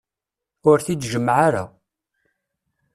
Ur t-id-jemmε ara.